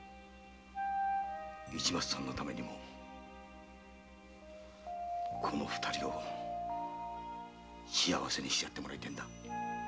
市松さんのためにもこの二人を幸せにしてやってくれ頼むよ。